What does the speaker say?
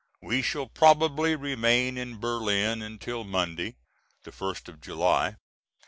We shall probably remain in Berlin until Monday, the first of July.